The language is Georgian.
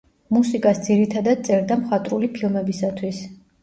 მუსიკას ძირითადად წერდა მხატვრული ფილმებისათვის.